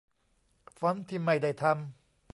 ฟอนต์ที่ไม่ได้ทำ